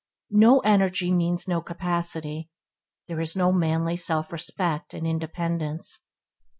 No energy means no capacity; there is no manly self respect and independence.